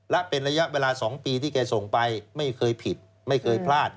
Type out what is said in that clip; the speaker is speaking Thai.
และเป็นระยะเวลา๒ปีที่แกส่งไปไม่เคยผิดไม่เคยพลาด